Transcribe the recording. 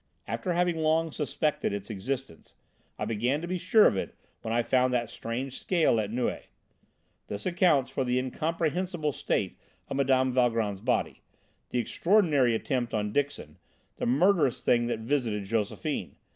After having long suspected its existence, I began to be sure of it when I found that strange scale at Neuilly. This accounts for the incomprehensible state of Mme. Valgrand's body, the extraordinary attempt on Dixon, the murderous thing that terrified Josephine!